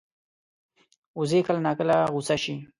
وزې کله ناکله غوسه شي